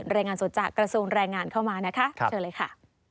รายงานสดจากกระทรวงแรงงานเข้ามานะคะเชิญเลยค่ะ